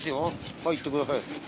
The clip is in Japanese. はい行ってください。